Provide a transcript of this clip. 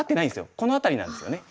この辺りなんですよね。